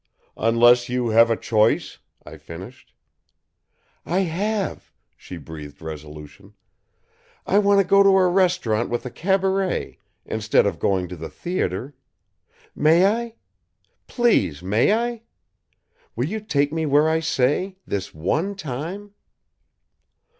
"Unless you have a choice?" I finished. "I have." She breathed resolution. "I want to go to a restaurant with a cabaret, instead of going to the theatre. May I? Please, may I? Will you take me where I say, this one time?"